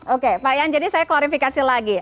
oke pak yan jadi saya klarifikasi lagi